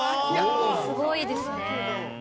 すごいですね。